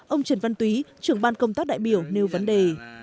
ông trần văn túy trưởng ban công tác đại biểu nêu vấn đề